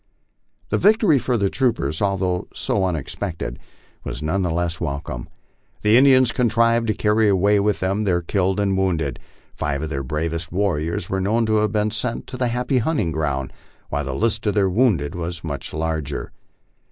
This victory for the troopers, although so unexpected, was none the less welcome. The Indians contrived to carry away with them their killed and wounded. Five of their bravest warriors were known to have been sent to the happy hunting ground, while the list of their wounded was much larger.